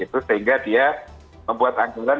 sehingga dia membuat anggaran